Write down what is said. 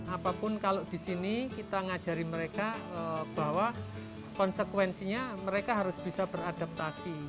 apapun kalau di sini kita ngajari mereka bahwa konsekuensinya mereka harus bisa beradaptasi